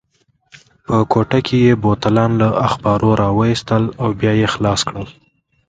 په کوټه کې یې بوتلان له اخبارو راوایستل او بیا یې خلاص کړل.